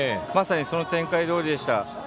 まさにその展開どおりでした。